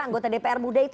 anggota dpr muda itu